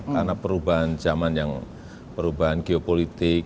karena perubahan zaman yang perubahan geopolitik